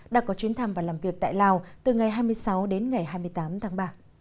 đã có chuyến thăm và làm việc tại lào từ ngày hai mươi sáu đến ngày hai mươi tám tháng ba